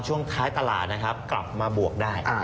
จริงแล้วก็ขายไม่เยอะอย่างนั้นนะ